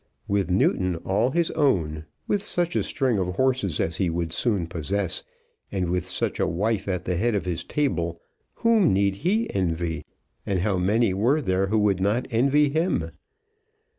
With Newton all his own, with such a string of horses as he would soon possess, and with such a wife at the head of his table, whom need he envy, and how many were there who would not envy him?